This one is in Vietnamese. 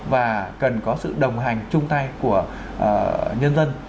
và cần có sự đồng hành chung tay của nhân dân